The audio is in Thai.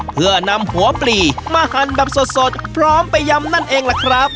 เพื่อนำหัวปลีมาหั่นแบบสดพร้อมไปยำนั่นเองล่ะครับ